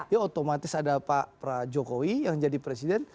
ya otomatis ada pak jokowi yang jadi presiden